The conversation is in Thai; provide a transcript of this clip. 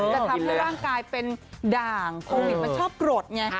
ถ้าร่างกายเป็นด่างโควิดมันชอบกรดไง